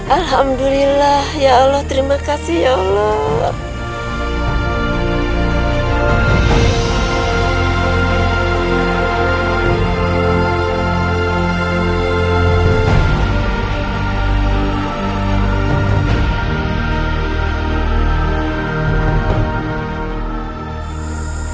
alhamdulillah ya allah terima kasih ya allah